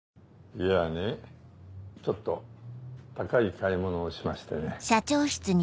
いやねちょっと高い買い物をしましてね。